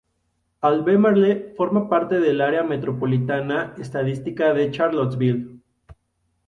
Albemarle forma parte del Área Metropolitana Estadística de Charlottesville.